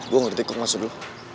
gue ngerti kok masuk dulu